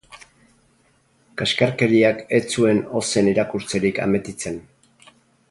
Kaxkarkeriak ez zuen ozen irakurtzerik ametitzen.